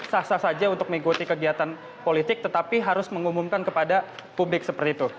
sah sah saja untuk mengikuti kegiatan politik tetapi harus mengumumkan kepada publik seperti itu